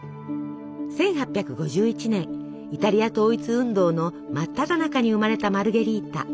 １８５１年イタリア統一運動の真っただ中に生まれたマルゲリータ。